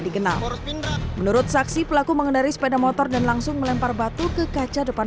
dikenal menurut saksi pelaku mengendari sepeda motor dan langsung melempar batu ke kaca depan